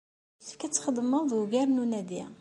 Yessefk ad txedmeḍ ugar n unadi.